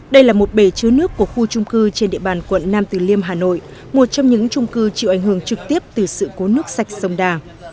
đây là một bể chứa nước của khu trung cư trên địa bàn quận nam từ liêm hà nội một trong những trung cư chịu ảnh hưởng trực tiếp từ sự cố nước sạch sông đà